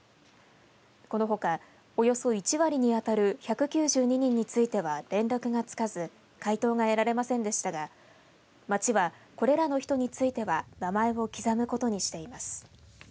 このほか、およそ１割に当たる１９２人については連絡がつかず回答が得られませんでしたが町は、これらの人については名前を刻むことにしています。